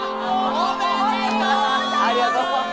おめでとうございます！